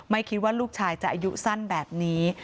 ไม่คิดว่าลูกชายจะอายุสั้นแบบนี้